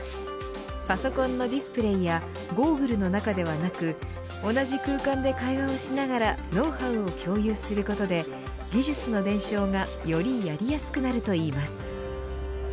パソコンのディスプレーやゴーグルの中ではなく同じ空間で会話をしながらノウハウを共有することで技術の伝承がよりやりやすくなるといいます。